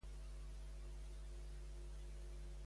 Recorda que m'encanta aquesta cançó.